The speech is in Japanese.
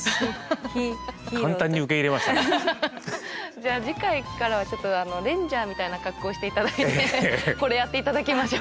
じゃあ次回からはちょっとレンジャーみたいな格好して頂いてこれやって頂きましょう。